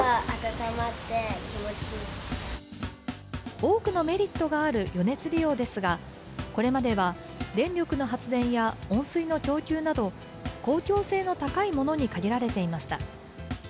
多くのメリットがある余熱利用ですがこれまでは電力の発電や温水の供給など、公共性の高いものに限られていました。